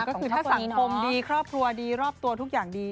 ก็คือถ้าสังคมดีครอบครัวดีรอบตัวทุกอย่างดี